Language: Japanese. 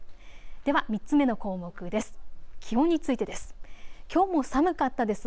では３つ目の項目です。